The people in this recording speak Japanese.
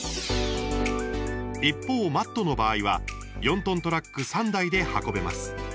一方、マットの場合は４トントラック３台で運べます。